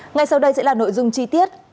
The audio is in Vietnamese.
ngay sau đây sẽ là nội dung chi tiết